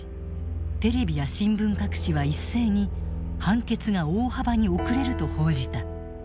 テレビや新聞各紙は一斉に判決が大幅に遅れると報じた。